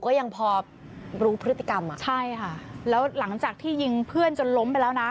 ก็ยังพอรู้พฤติกรรมอ่ะใช่ค่ะแล้วหลังจากที่ยิงเพื่อนจนล้มไปแล้วนะ